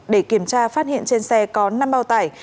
để kiểm tra phát hiện trên xe có năm bao tải